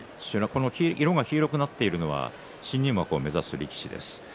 色が黄色くなっているのは新入幕を目指す力士です。